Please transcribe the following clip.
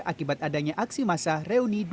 akibat adanya aksi masa reuni dua ratus dua belas